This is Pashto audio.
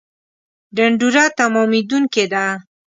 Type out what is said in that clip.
ډنډوره تمامېدونکې ده